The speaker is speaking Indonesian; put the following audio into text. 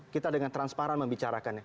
kita dengan transparan membicarakannya